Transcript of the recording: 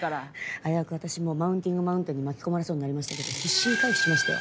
危うく私もマウンティングマウンテンに巻き込まれそうになりましたけど必死に回避しましたよ。